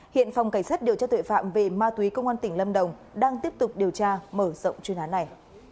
hiện phòng cảnh sát điều tra tuệ phạm về ma túy công an tỉnh lâm đồng đang tiếp tục điều tra mở rộng chuyên án này